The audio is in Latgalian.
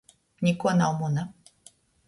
Nikuo nav muna.